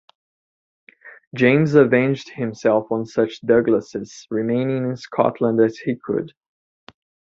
James avenged himself on such Douglases remaining in Scotland as he could.